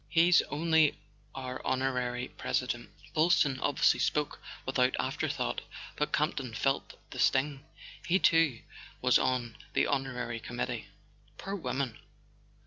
He's only our Honorary President." Boylston, obviously spoke without afterthought; but Campton felt the sting. He too was on the honorary committee. "Poor woman!